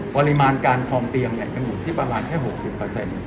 ปริมาณการทองเตียงเนี้ยจะหรืออยู่ที่ประมาณแค่หกสิบเปอร์เซ็นต์